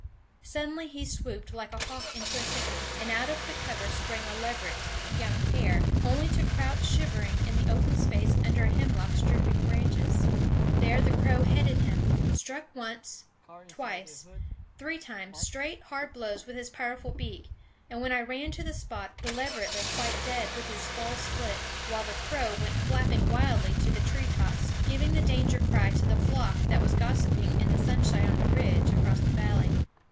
Suddenly he swooped like a hawk into a thicket, and out of the cover sprang a leveret (young hare), only to crouch shivering in the open space under a hemlock's drooping branches. There the crow headed him, struck once, twice, three times, straight hard blows with his powerful beak; and when I ran to the spot the leveret lay quite dead with his skull split, while the crow went flapping wildly to the tree tops, giving the danger cry to the flock that was gossiping in the sunshine on the ridge across the valley.